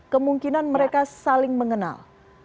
kemungkinan mereka saling mengenal